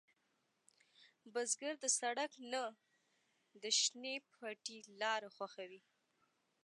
بزګر د سړک نه، د شنې پټي لاره خوښوي